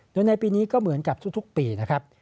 โดยในปีนี้ก็เหมือนกับทุกปีนะครับ